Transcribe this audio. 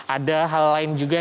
ada hal lain juga